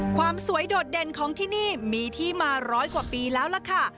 ความสวยโดดเด่นของที่นี่มีที่มาร้อยกว่าปีแล้วล่ะค่ะ